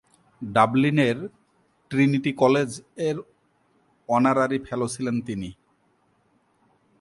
ডাবলিনের Trinity college এর honorary fellow ছিলেন তিনি।